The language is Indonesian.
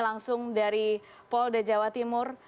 langsung dari polda jawa timur